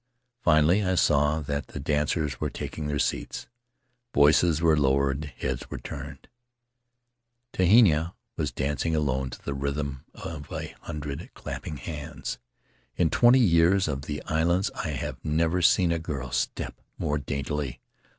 Finally I saw that the dancers were taking their seats; voices were lowered, heads were turned. "Tehina was dancing alone to the rhythm of a Faery Lands of the South Seas hundred clapping hands. In twenty years of the islands I have never seen a girl step more daintily.